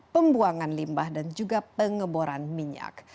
pembuangan limbah dan juga pengeboran minyak